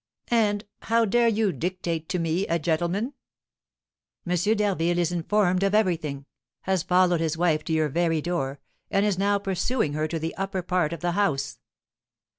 And how dare you dictate to me, a gentleman?" "M. d'Harville is informed of everything, has followed his wife to your very door, and is now pursuing her to the upper part of the house."